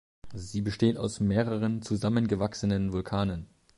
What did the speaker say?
Sie besteht aus mehreren, zusammengewachsenen Vulkanen.